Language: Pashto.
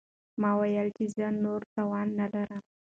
ما وویل چې زه نور توان نه لرم.